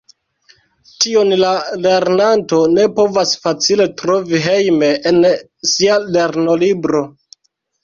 Tion la lernanto ne povas facile trovi hejme en sia lernolibro.